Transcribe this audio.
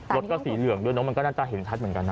รถก็สีเหลืองด้วยเนอะมันก็น่าจะเห็นชัดเหมือนกันนะ